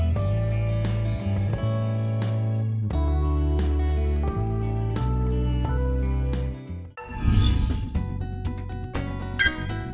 hẹn gặp lại